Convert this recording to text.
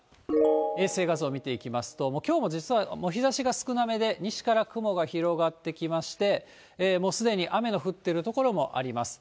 衛星画像見ていきますと、きょうも実は日ざしが少なめで、西から雲が広がってきまして、もうすでに雨の降ってる所もあります。